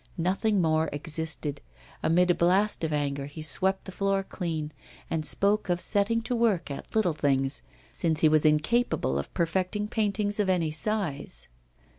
Nothing more existed; amid a blast of anger he swept the floor clean, and spoke of setting to work at little things, since he was incapable of perfecting paintings of any size.